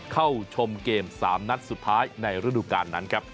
เข้าชมเกม๓นัดสุดท้ายในฤดูการนั้นครับ